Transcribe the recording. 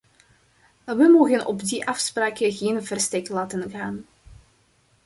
We mogen op die afspraak geen verstek laten gaan.